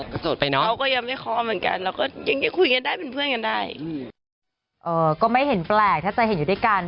ก็โสดไปเนอะเขาก็ยังไม่คอเหมือนกัน